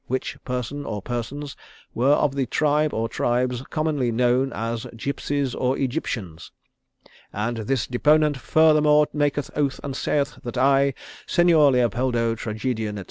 which person or persons were of the tribe or tribes commonly known as gipsies or Egyptians. And this deponent furthermore maketh oath and saith that I, Signor Leopoldo, tragedian, &e.